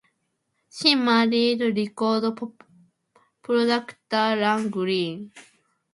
She married record producer Ian Green.